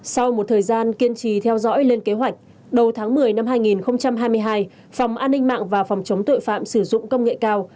sau một thời gian kiên trì theo dõi lên kế hoạch đầu tháng một mươi năm hai nghìn hai mươi hai phòng an ninh mạng và phòng chống tội phạm sử dụng công nghệ cao